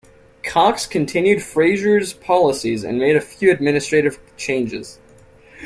Cox continued Frazier's policies and made few administrative changes.